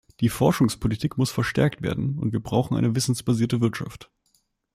Die Forschungspolitik muss verstärkt werden und wir brauchen eine wissensbasierte Wirtschaft.